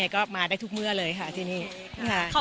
ขอบคุณมากค่ะ